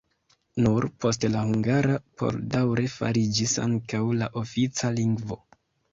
Nur poste la hungara por daŭre fariĝis ankaŭ la ofica lingvo.